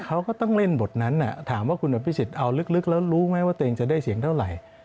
เขาก็ต้องเล่นบทนั้นถามว่าคุณอภิษฎเอาลึกแล้วรู้ไหมว่าตัวเองจะได้เสียงเท่าไหร่